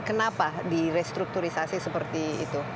kenapa di restrukturisasi seperti itu